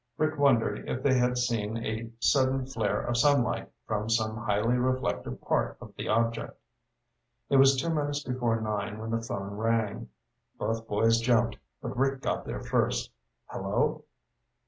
Rick wondered if they had seen a sudden flare of sunlight from some highly reflective part of the object. It was two minutes before nine when the phone rang. Both boys jumped, but Rick got there first. "Hello?"